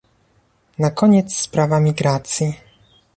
Na koniec sprawa migracji